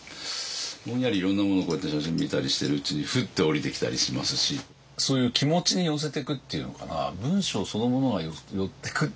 ぼんやりいろんなものをこうやって写真見たりしているうちにふって降りてきたりしますしそういう気持ちに寄せてくっていうのかな文章そのものが寄ってくっていう。